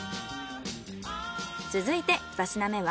続いてふた品目は。